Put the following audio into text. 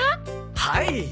はい。